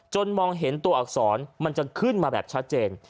มองเห็นตัวอักษรมันจะขึ้นมาแบบชัดเจน